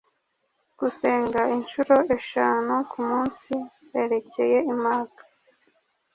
gusenga incuro eshanu ku munsi werekeye i maka